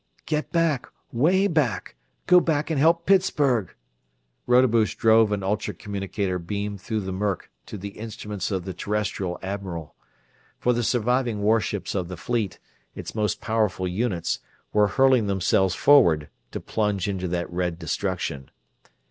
"Get back 'way back! Go back and help Pittsburgh!" Rodebush drove an ultra communicator beam through the murk to the instruments of the Terrestrial admiral; for the surviving warships of the Fleet its most powerful units were hurling themselves forward, to plunge into that red destruction.